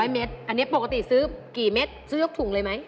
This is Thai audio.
๐เมตรอันนี้ปกติซื้อกี่เม็ดซื้อยกถุงเลยไหม